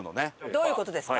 どういう事ですか？